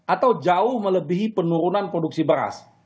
atau jauh melebihi penurunan produksi beras